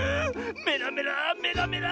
メラメラメラメラ！